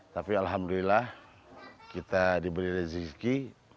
tapi alhamdulillah kita diberi rezeki